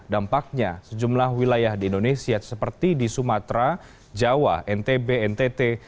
dampaknya sejumlah wilayah di indonesia seperti di sumatera jawa ntb ntt